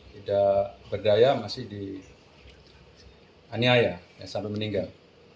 tidak berdaya masih dianiaya sampai meninggal